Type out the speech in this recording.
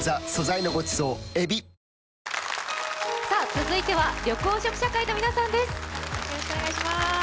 続いては緑黄色社会の皆さんです。